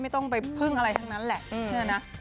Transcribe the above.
ไม่ต้องไปพึ่งอะไรทั้งนั้นแหละเชื่อนะ